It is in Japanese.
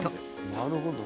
「なるほど」